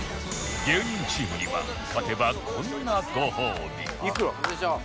芸人チームには勝てばこんなご褒美なんでしょう？